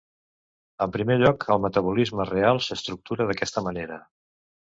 En primer lloc, el metabolisme real s'estructura d'aquesta manera.